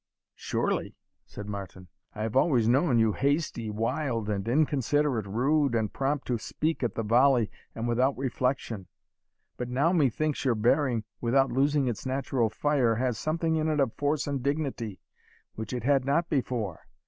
"Surely," said Martin. "I have always known you hasty, wild, and inconsiderate, rude, and prompt to speak at the volley and without reflection; but now, methinks, your bearing, without losing its natural fire, has something in it of force and dignity which it had not before.